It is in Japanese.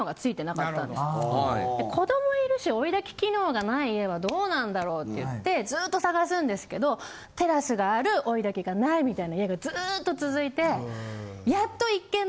子供いるし追い焚き機能がない家はどうなんだろうっていってずっと探すんですけどテラスがある追い焚きがないみたいな家がずっと続いて。